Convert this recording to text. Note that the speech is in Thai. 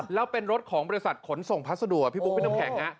แล้วเป็นรถของบริษัทขนส่งพัสดุพี่บุ๊คพี่น้ำแข็ง